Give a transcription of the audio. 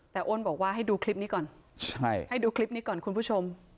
แต่อ้นบอกว่าให้ดูคลิปนี้ก่อนให้ดูคลิปนี้ก่อนคุณผู้ชม